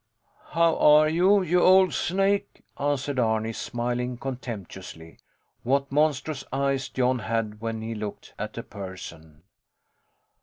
How are you, you old snake! answered Arni, smiling contemptuously. What monstrous eyes Jon had when he looked at a person!